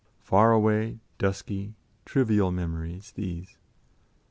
Far away, dusky, trivial memories, these.